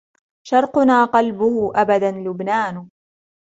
شرقنا قلبه أبداً لبنان